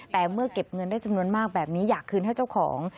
แต่เมื่อเก็บเงินได้จำนวนมากแบบนี้อยากคืนให้เจ้าของ